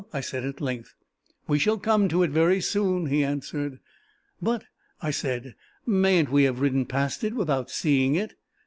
I said at length. "We shall come to it very soon," he answered. "But," I said, "mayn't we have ridden past it without seeing it?"